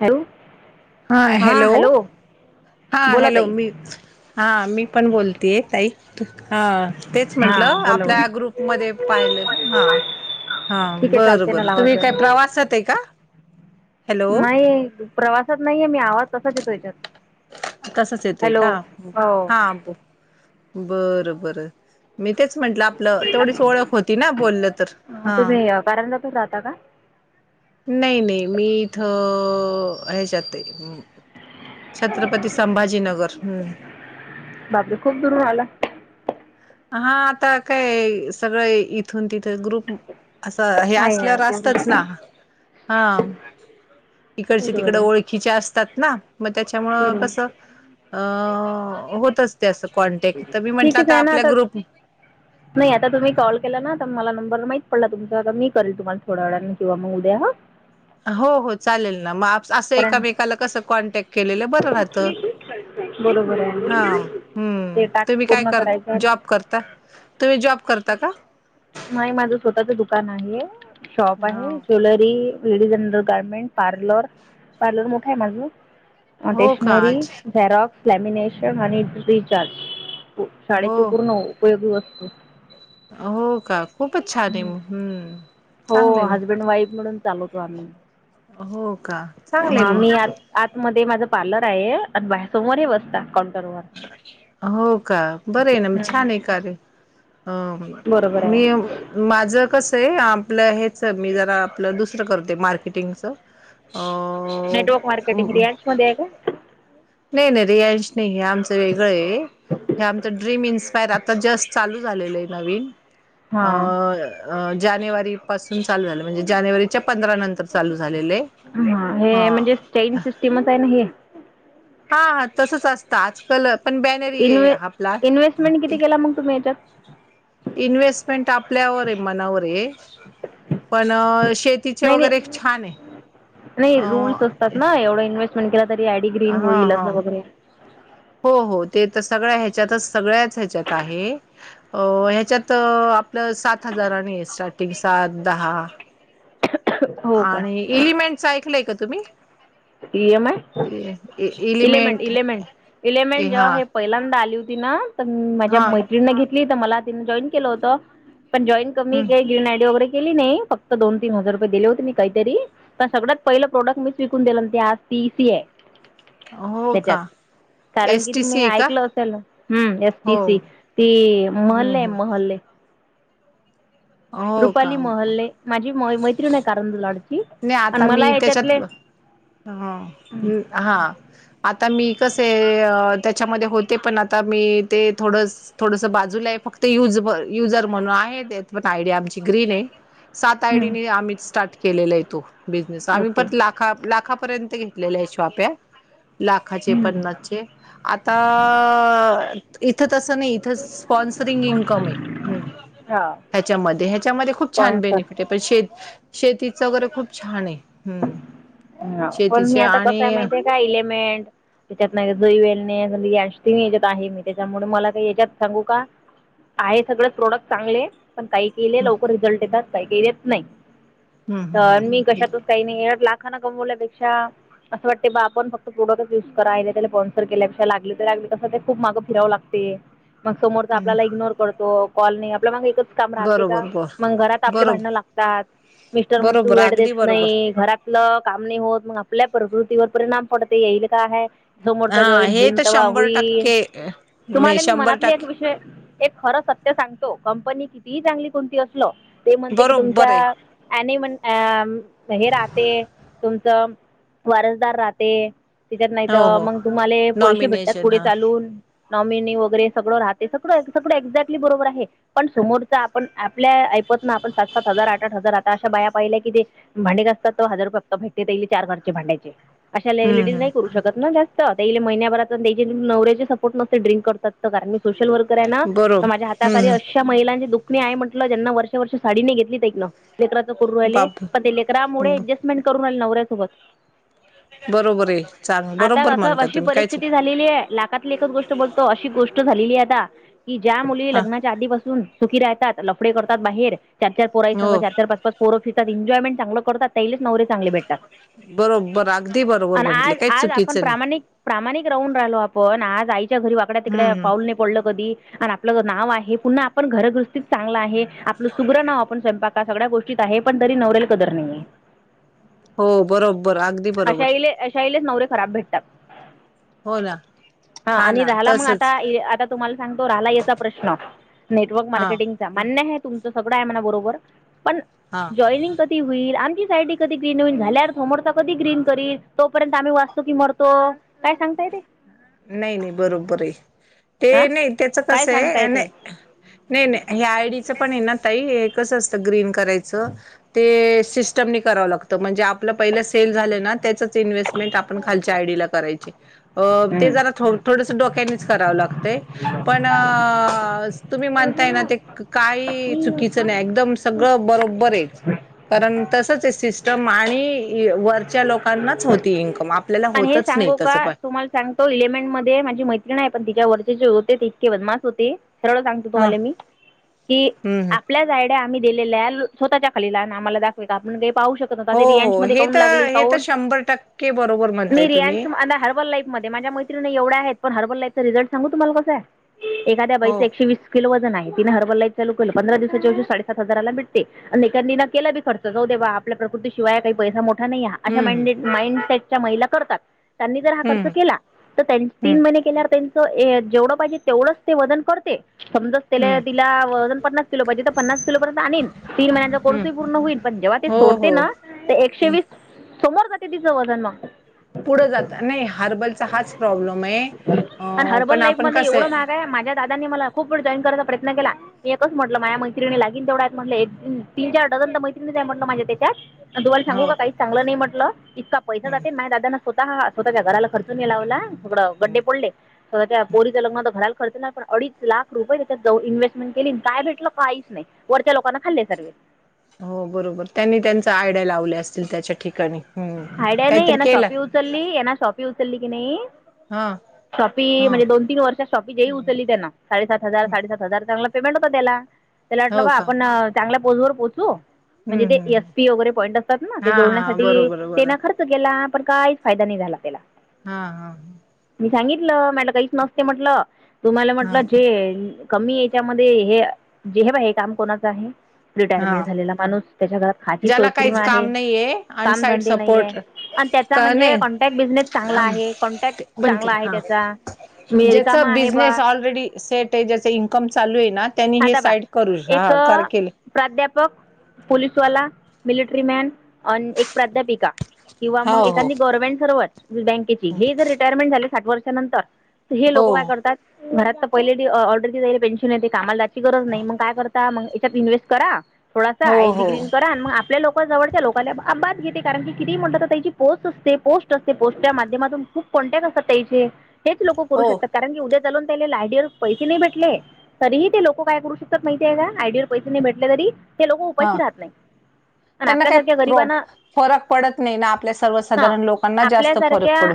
Hello हा hello,, हा बोला हॅलो, ताई मी, हा, मी पण बोलतेय, ताई,, ह, तेच हा म्हंटलं,, बोला बोला आपल्या ग्रुपमध्ये पाहिलं ना,, हा, हा, ठीक आहे बरं चालते ना बरं लावा तुम्ही काही, जरा प्रवासात आहे का? हॅलो नाही,, प्रवासात नाहीये मी, आवाज तसाच येतोय याच्यातऽ तसच येतोय का हा ब बर बर मी तेच म्हंटलं आपलं तेवढीच ओळख होती ना बोललं तर हा पंदापून राहता का नाही नाही, मी इथं,, ह्याच्यातऽ छत्रपती संभाजीनगर,, हम्म, बापरे,, खूप दूरुन आला, हा, आता काय सगळं इथून, तिथं ग्रुपऽ असं, हे आहे असल्यावर असतच बरोबर ना,, हा, इिकडची बरोबर तिकडची आहे ओळखीऽ खिच्या असतात ना मग त्याच्यामुळं बरोबर कसं अ होतच तस कॉन्टॅक्ट तर मी म्हंटलं ठीकच तर आहे ना आपल्या आता ग्रुप आहे नाही आता तुम्ही कॉल केला ना तर मला नंबर माहित तुमचा मी करन तुम्हाला थोड्या वेळाने किंवा मग उद्याा हो हो चालेल ना मग असं कारण एकामेकाला कसं कॉन्टॅक्ट केलेलं बरं राहत बरोबर हा आहे हम्म ते टास्क तुम्ही काय पूर्ण करायचं करता आहे ना जॉब करता तुम्ही जॉब करता का नाही माझं स्वतःच दुकान आहे शॉप हा आहे jewellery ladies general garment parlour parlour मोठा आहे माझं हो का स्टेशनरी अच्छा झेरॉक्स लेमिनेशन आणि रिचार्ज हो शाळेची पूर्ण उपयोगी वस्तू हो का खूपच छान आहे हम्म हो चांगले नाही हजबंड वाईफ म्हणून चालवतो आम्ही हो का चांगलंय आम्ही हा मग हि एप आत मध्ये माझा पार्लर आहे आणि बाहेर समोर हे रस्ता कॉर्न हो का. बरं आहे ना. मग हम्म, छान आहे कार्य अ हो बरोबर हो. आहे मी माझं कस आहे. आपलं हेच मी जरा आपलं दुसरं करते मार्केटिंगच. ह नेटवर्क मार्केटिंग रियाल्स मध्ये आहे का नाही नाही रियांश नाही. हे आमचं वेगळं आहे. हे आमचं ड्रीम इन्स्पायर आता जस्ट चालूच न जानेवरी मध्ये झाले आहे हा नवीन जानेवारी पासून चालू झालं. म्हणजे जानेवारीच्या पंधरा नंतर चालू झालेले हा. चेन सिस्टीमच आहे ना हे. हा हा तसच असतं आजकाल. पण बॅनर ये आपला इन्व् इन्व्हेस्टमेंट किती केला मग तुम्ही याच्यात? हम् [inaudible] इन्व्हेस्टमेंट आपल्यावर आहे मनावर आहे. पण शेतीचे नाही नाही वगैरे एक छान आहे अं. त्यात ना एवढ इन्व्हेस्टमेंट केला तरी आयडी ग्रीन हा होईल हा असं वगैरे. हो हो ते तर सगळ्या ह्याच्यातच सगळ्याच ह्याच्यात आहे. अ ह्याच्यात आपलं सात हजाराणी आहे स्टार्टिंग सात दहा. हो का आणि एलिमेंटच ऐकलंय का तुम्ही? E M I element element element a element जेव्हा हा आहे. पहिल्यांदा आली होती ना. तर माझ्या हा मैत्रीणी घेत तर मला तिन जॉईन केलं होत. पण जॉईन कमी हम्म का ग्रीन आयडी वगैरे केली नाही. फक्त दोन तीन हजार रुपये दिले होते. काहीतरी तर सगळ्यात पहिले प्रोडक्ट मिच विकून दिले होते. त्यात तीती है. हो का, कारण एस की टी सी तुम्ही आहे का ऐकल असेल एस टी हो सी ते महलले हम्म महले. हो रुपाली का महल्ले माझी म मैत्रीणी कारण लढते नाही आता मी त्याच्यात ह हा. आता मी कसे त्याच्यामध्ये होते. पण आता मी ते थोडं थोडस बाजूला आहे. फक्त युज युजर म्हणून आहे. पण आयडिया आमची ग्रीन आहे. सात हम्म आयडीने आम्ही स्टार्ट केलेला येतो बिझनेस आम्ही ओके ला लाख लाखापर्यंत घेतलेल्या आहे. शॉप्या लाखाचे पन्नासचे आता इथं तसं नाही. इथं स्पॉन्सरिंग इन्कम आहे. हा ह्याच्यामध्ये ह्याच्यामध्ये खूप छान स्पॉन्सर बेनिफिट पण श शेतीच वगैरे खूप छान आहे हम्. हा पण मी आता कस आहे माहितीे का इलेमेंट त्याच्यात नाही ईवेलणेस याच्यात आहे मी त्याच्यामुळे मला काही याच्यात सांगू का आहे सगळें प्रोडक्ट चांगले पण काही केले लवकर रिझल्ट येतात. काही केलेत देत नाही. हम्म तर हम्म मी कशातच काही नाही लाग खाना कमवल्यापेक्षा अस वाटते बा आपण फक्त यूज करायला हेला तेला लागते. मग समोर हम्म आपल्याला इग्नोर करतो. कॉल नाही आपल्य माग एक काम राहते का. बरोबर बर मग घरात आपले बरोबर भांडण लागतात. मिस्टर म्हन तू बरोबर वेड देत अगदी बरोबर नाही घरात आपलं काम नाही होत. मग आपल्या प्रकृतीवर परिणाम पडते येईल का आहे. समोरचा हा जॉईन हे होईन तर तेव्हा शंभर होईन. टक्के नाही तुम्हाला मी शंभर मनातले एक टक्के विषय एक खरं सत्य सांगतो. कंपनी कितीही चांगली कोणती असल ते म्हणते की बरोबर तुमच्या आहे आणि मण अ हे राह ते. तुमचं वारसदार राहते. त्याच्यात नाहीत. हो हो मग तुम्हाला पैसे भेटतात. नॉमिनेशन पुढे हा चालून. नॉमिनी वगैरे सगळं राहते सगळं सगळं एक्झॅक्टली बरोबर आहे. पण समोरच आपण आपल्या ऐपतन आपण सात सात हजार आठ आठ हजार आता अशा बाया पाहिल्या कि ते भांडेि घासतात तो हजार रुपया फक्त भेटेल ते चार घरचे भांड्याचे अशा हम्म लेडीज नाही हम्म करू शकत ना जास्त महि्याभरात त्या नवरऱ्याचे सपोर्ट नसतेड्रिंक करतात तर कारणी सोशल वर्क राय ना तर बरोब माझ्या हाताखाली हम्म अशा महिलांची दुखणे आहे म्हटलं ज्यांना वर्ष वर्ष साडीने घेतलीत एकक ना. लेकराच कररू राहिले बाप पण ते लेकरामुळे ऍडजस्टमेंट करून राहिले नवऱ्यासोबत बरोबर आहे चांग आता बरोबर क म्हणता अशी तुम्ही कायच परिस्थिती झालेली आहे ला. मनातली एकच गोष्ट बोलतो अशी गोष्ट झालेली आहे आता की ज्या मुली हा लग्नाच्या आधीपासून सुखी राहात लफडे करतात बाहे चार चार पोरा संघ हो चार चार पाच पाच पोर फिरतात ए्जॉयमेंट चांगलं करतात. त्यालेच नवरे चांगले भेटतात बरोबर अगदी बरोबर आणि म्हंटले आज काही आज आपण चुकीचं नाही प्रामाणिक प्रामाणिक राहून राहिलो आपण आज आईच्या घरी वाकड्या तिकड हम्म पाऊल पडलं कधी आणि आपलं नाव आहे पुन्हा आपण घरगरहस्तीत चांगलं आहे आपलं सुग्र नाव आपण स्वयंपाक का सगळ्या गोष्टीत आहे पण तरी नवरेल कदर नाहीे. हो बरोबर अगदी. अशा बरोबर अशाईलेच नवरे खराब भेटतात. हो ना. हा आणि ना राहाला मग आता तसच आता तुम्हाला सांगतो राहाला याचा प्रश्न नेटवर्क हा मार्केटिंग मान्य आहे तुमचं सगळं आहे मला बरोबर पण हा. जॉईनिंग कधी होईल आम साईड कधी ग्रीन होईल झाल्यार तमरता कधी ग्रीन करील तोपर्यंत आम्ही वाचतो की मरतो. काय सांगताय ते नाही नाही बरोबर आहे ते अ नाही त्याच काय कसं सांगता आहे येते. नाही. नाही नाही ह्या आयडीचं पण आहे ना तई हे कसं असतं ग्रीन करायचं. ते सिस्टमनी करावं लागतं म्हणजे आपलं पहिलं सेल झालं ना त्याच इन्व्हेस्ट. हम्म. ख आ. थोडंसं डोक्यानीच करावं लागतंय पण तुम्ही म्हणताय ना ते काही चुकीचं नाही एकदम सगळं बरोबर आहे. कारण तसच आहे सिस्टम आणि वरच्या लोकांनाच होती इन्कम आप आणि हे सांगो का तुम्हाला सांग. तो इलिमेंट मध्ये माझी मैत्रीि नाही पण तिच्या ववरचे जे होते ते इतके वदमास होते. सरवळ सांगतो हा तुम्हाला मी की हम्म हम्म आपल्या जाड. आम्ही दिलेल्या स्वतःच्या खलीला आ्हाला दाखवे का आपण काही पाहू शकतो. हो ते रिएं हो मध्ये हे कून तर लागली हे तर पाहून शंभर टक्के बरोबर. म्हणताय मी तुम्ही रियानशा हर्बल लाईफ मध्ये माझ्या एवढ्या आहेत पण हरबललाचं रिझल सांगू तुम्हाला कस आहे एखाद्या बाईच हो एकशे. किलो वजन आहे तिन हरबला लाईफ चालू केले पंधरा दिवसाच्या दिवशी साडेसात हजाराला भेटते. कांनी ना केला बी खर्च जाऊ दे आपल्या प्रकृतीशिवाय काही पैसा मोठ. हा नाही ह अशा मां हम्म माइंडसेटच्या महिला करतात त्यांनी जर हा खर्च हम्म केला. तर त्यां हम्म तीन महिने केल्यावर त्यांच जेवढं पाहिजे तेवढंच ते वजन करते समजा. त्या हम्म तिलाज पन्ना किो पाहिजे तर पन्नास किलोर्यंत आणन. तीन महिन्यांचा कोर्सही हम्म पूर्ण होईल पण जेव्हा ते हो सोडते हो ना. ते एकशे वीस सोमर जाते तिचं वजन मग पुढं जात नाही हर्बलचा हाच प्रॉब्लेम आहे अ पण आपण कसं आहे. दादानी मला खूप वे जॉईन कराचा प्रयत्न केला. म एकच म्हटलं माझ्या मैतिणीगीन तेवढं आहेत म्हटलं एक तीन चार झजन तर मैत्रणी आहे म्हटलं माझे त्याच्यात. आणि तु्हाला सांगू हो काही चांगलं नाही म्हटलं इतका पैसा हम्म ते माझ ददाना स्वतःा स्वतःच्या घराला खर्च नाही लावला सगड हम्म गड्डे पडले. त्या पोरीच्या लग्नान तर घरायला खर्च नाही पण अडीच लाख रुपये त्याच्या इन्हेस्टमेंट केली काय भेटलं काहीच नाही. वरच्या लोकांना खाल्ले सर्वे. हो बरोबर त्यांनी त्यांचा आयड्या लावल्या असतील, त्याच्या ठिकाणी. हम्म आयड्या नई काहीतरी याना केलं शॉपि उचलली, येना शॉपी उचलली की नाही हा शॉपी, हा म्हणजे दोन तीन वर्षात शॉपी जे हम्म, उचलली त्यांना. साडेसात हजार हम्म. साडेसात हजार चांगला पेमेंट होता त्याला. त्याला वाटलं हो बा का आपण चांगल्या पोझ वर पोचू, म्हणजे हम्म ते हम्म एस हम्म. पी वगैरे पॉईंट असतात ना ते हा हा जोडण्यासाठी बरोबर बरं तेनं खर्च केला, पण काहीच फायदा नाही झाला त्याला. हा हा. मी सांगितलं, मला काहीच नसते म्हटलं. तुम्हाला म्हटलं हा जे कमी एच्यामध्ये हे. जे हे बा हे काम कोणाचं आहे, हा रिटायरमेंट झालेला माणूस. त्याच्या घरात खाची ज्याला सोयपूर्ण काहीच आहे. काम नाहीये अनसाईड कामधंद ए हाय सपोर्ट आणि त्याचा का म्हणजे नाही कॉन्टॅक्ट बिझनेस चांगला आहे. कॉन्टॅक्ट बंद चांगला कर आहे हा त्याचा. मी ज्याचा रिकामा आहे बा. बिझनेस ऑलरेडी सेट आहे ज्याच इन्कम चालू आहे ना, त्यांनी हे आता पहा साईड करू एक हा कर केले. प्राध्यापक, पोलीसवाला, मिलिटरी मॅन अन एक प्राध्यापिका. किंवा मग हो एखादी हो गव्हर्मेंट सर्व बँकेची. हे जर रिटायरमेंट झाली साठ वर्षानंतर हे लोक हो काय करतात, घरात तर पहिले ऑर्डर दि जायले पेन्शन येते कामाल जायची गरज नाही. मग काय करता मग याच्यात इन्व्हेस्ट करा थोडासा हो हय हो डिग्रीन करा. मग आपल्या लोक जवळ लोकाला बात घेते. कारण की किती म्हणतात तर त्याची पोस्ट असते पोस्ट असते पोस्टच्या माध्यमातून खूप कोन्टॅक्ट असतात त्याचे. हेच लोक करू हो शकतात, कारण की उद्या चालून त्या लायडीवर पैसे नाही भेटले. तरीही ते लोक काय करू शकतात माहिती आहे का? आयडीवर पैसे नाही भेटले तरी, ते लोक हा उपाशी राहत नाही. आणि त्यांना काही आपल्यासारख्या प्रॉ गरिबांना फरक पडत नाही ना. आपल्या हां सर्वसाधारण लोकांना जास्त फरक आपल्यासारख्या पड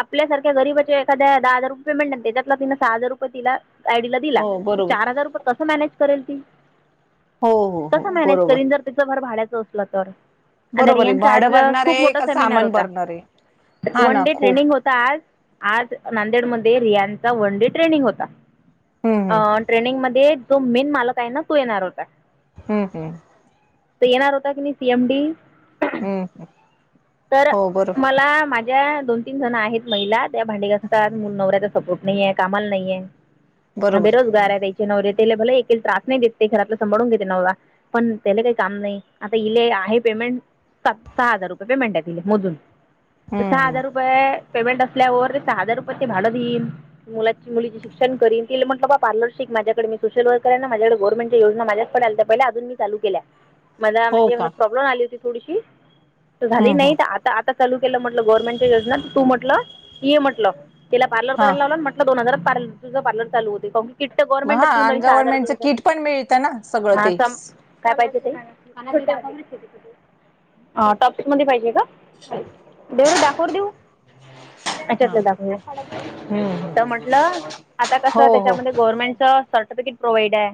आपल्यासारख्या गरीबाच्या एखाद्या दहा हजार रुपये पेमेंट, त्याच्यातला तिनं सहा हजार रुपये तिला आयडी ला दिला. हो बरोबर तर कस मॅनेज करेल ती. हो हो हो कस मॅनेज बरोबर करीन जर तिचं घर भाड्याचं असलं तर. आ दरि बरोबर आहे यांचा आज भाडं भरणार खूप आहे मोठा का सेमिनार सामान होता. भरणार आहे हा वन ना डे खूप ट्रेनिग होती ता आज. आज नांदेडमध्येध्ये रियांचा वन डे ट्रेनिंग होता. हम्म हम्म अ- ट्रेनिंगमध्ये जो मेन मालक आहे ना, तो येणार होता. हम्म हम्म. येणार होता की नाही सी एम डी. हम्म तर हो बरोबर मला माझ ज्या दोन तीन जण आहेत महिला, त्या भांडी घासतात. मूल नवऱ्याचा सपोर्ट नाहीेय, कामाला नाहीये. हा बेरोजगार आहे त्याचे नवरेतेला एके त्रास नाही देत ते घरात सभाळून घेते नवरा. पण त्याला काही काम नाही. आता इले आहे पेमेंट स सहा हजार रुपये पेमेंट हाय तिला मोजून. तर सहा हम्म हजार रुपये पे पेमेंट असल्यावर हजार रुपये ते भाडं देईन, मुलाची मुलीचे शिक्षण करीन. तिला म्हटल बा पार्लर शिक माझ्याकडे, मी सोशल वर्कर आहे ना माझ्याडे गवर्मेंटच्या योजना माझ्याकडे आलत्या पहिला अजून मी चालू केल्या. मला हो म्हणजे का म प्रॉब्लेम आली होती थोडीशी. त झाली हम्म नाही हम्म तर आता आता चालू केलं म्हटलं गव्हर्नमेंटच्या योजना. तू म्हटलं ये म्हटलं तिला पार्लर हा कराय लावल म्हटलं दोन हजारात पार्लर तुझं पार्लर चालू होते किट्ट गव्हर्नमेंटात हा देऊन बई आणि सहा हजार दिले गव्हर्नमेंटचं तर. किट पण मिळतं ना सगळं सहा हा ते स काय पाहिजे ते? ह टॉप्स मध्ये पाहिजे का? देऊ रे दाखव देऊ. हा याच्यातले दाखूया. तर हम्म म्हटलं आता कस हो हो गवर्नमेंटच सर्टिफिकेट प्रोवइड आहे.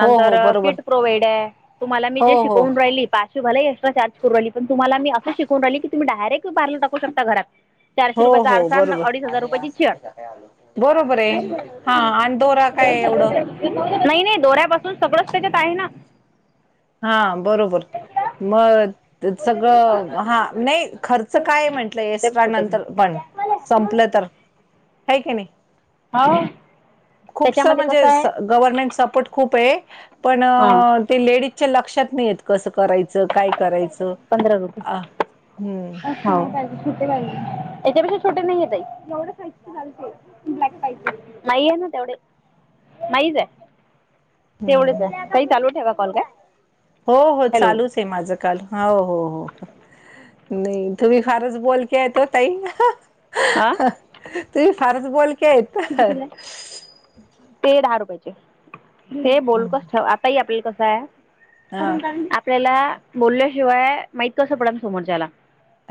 हो हो बरोबर किट प्रोवइड आहे. तुम्हाला मी हो जे हो शिकवून राहिली, पाच तुम्हालाही एक्स्ट्रा चार्ज करू राहिली. पण तुमला मी असं शिकवू राहिली कि तुम्ही डायरेक्ट पार्लर टाकू शकता घरात. चारशे हो रुपयाचा हो आरसा अन बरोबर अडीच हजार रुपयाची चेअर. बरोबर आहे हा आणि दोरा [unintelligible] काय एवढं नाही नाही दोऱ्यापासून सगळंच त्याच्यात आहे ना. हा बरोबर, मग [unintelligible] सगळं, हां नाही खर्च काय म्हंटलं, ते एक्स्ट्रा छोटे नंतर पण संपलं, तर हे की नाही? हो. खूपसं त्याच्यामध्ये कसं म्हणजे, आहे स गव्हर्मेंट सपोर्ट खूप आहे, पण हां ते लेडीजच्या लक्षात नाहीयेत, कसं करायचं, काय करायचं. पंधरा आं, हम्म. त्याच्यापेक्षा छोटे नाही आहे, ताई. ब्लॅक पाहिजे नाही, हे ना, तेवढे नाहीच आहे. तेवढेच हम्म. आहे ताई, चालू ठेवा कॉल काय. हो हो, हॅलो चालूच आहे माझं कॉल. हाव, हो हो. नाही, तुम्ही फारचं बोलक्या आहेत हो ताई. हां हं, तुम्ही फारचं बोलक्या आहेत. किती दिलं? ते दहा रुपयाचे. हे बोल, कसं आता हे आपल्याला कसं आहे? हा तेला बोलल्याशिवाय माहित कसं पडल समोरच्याला?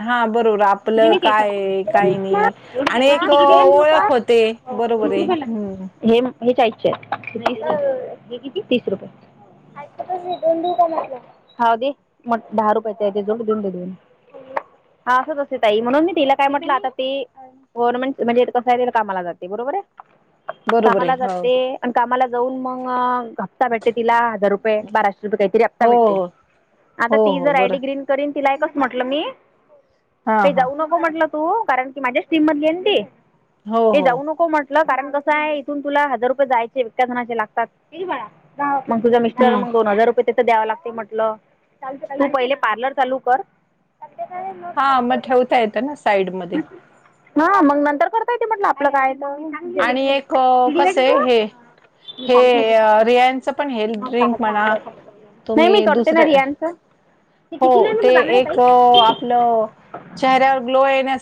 हां, बरोबर. आपलं काय आहे, काय नाही आणि एक ओळख होते. बरोबर हे. हम्म. हेम, हे चाळीसच. हे किती? तीस रुपये. [unintelligible] दोन देऊ का मागं? हां, दे मग दहा रुपयाचा आहे, ते जोड दोन दे दोन. हां, असंच असतय ताई. म्हणून मी तिला काय म्हटलं, आता ते गव्हर्नमेंट म्हणजे [unintelligible] कामाला जात ते बरोबर आहे? बरोबर आहे कामाला हो जाते आणि कामाला जाऊन मग हप्ता भेटते. तिला हजार रुपये, बाराशे रुपये काहीतरी हफ्ता हो भेटते. हो आता हो ती हो जर आयडी बरं ग्रीन करीन. तिला एकच म्हटलं मी, हां ते हां जाऊ न को म्हटलं तू, कारण की माझ्याच टीम मधली आहे न ती. हो ते हो जाऊ नको म्हटलं, कारण कसं आहे, इथून तुला हजार रुपये जायचे एका जनाचे लागतात. मग तुझा हम्म मिस्टरांना दोन हजार रुपये तर द्याव लागतंय, म्हटलं. तु पहिले पार्लर चालू कर. हा, मग ठेवता येतं ना साईडमध्ये. हां, मग नंतर करता येते म्हटलं, आपलं काय तर. आणि एक कसंय हे हे अ रियांच पण हेल्थ ड्रिंक म्हणा. नाही मी तुम्ही करते ना दुसरं, अ. रियांचं हो. ते एक अ आप लं चेहऱ्यावर ग्लो येण्यासाठी